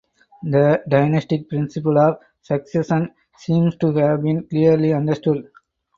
The dynastic principle of succession seems to have been clearly understood.